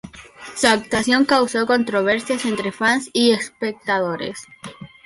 Su actuación causó controversia entre fans y espectadores.